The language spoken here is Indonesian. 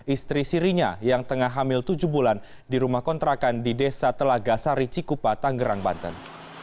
istri sirinya yang tengah hamil tujuh bulan di rumah kontrakan di desa telaga sari cikupa tanggerang banten